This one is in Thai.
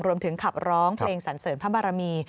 รวมถึงขับร้องเพลงสรรเสริมพระมรมี